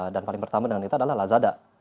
dan paling pertama dengan kita adalah lazada